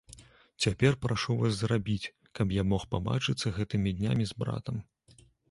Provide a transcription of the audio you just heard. Цяпер прашу вас зрабіць, каб я мог пабачыцца гэтымі днямі з братам.